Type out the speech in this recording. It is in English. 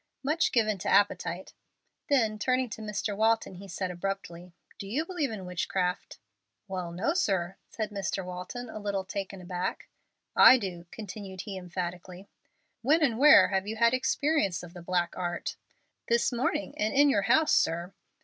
"Much given to appetite." Then, turning to Mr. Walton, he said, abruptly, "Do you believe in witchcraft?" "Well, no, sir," said Mr. Walton, a little taken aback. "I do!" continued he, emphatically. "When and where have you had experience of the black art?" "This morning, and in your house, sir."